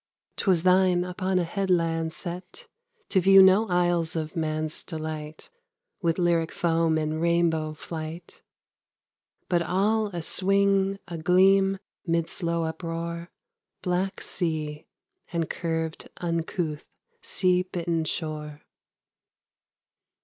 'Twas thine, upon a headland set, To view no isles of man's delight With lyric foam in rainbow flight, But all a swing, a gleam, mid slow uproar, Black sea, and curved uncouth sea bitten shore.